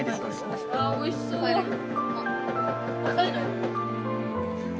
・あおいしそう！